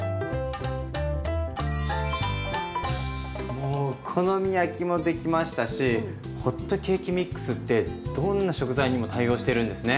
もうお好み焼きもできましたしホットケーキミックスってどんな食材にも対応してるんですね。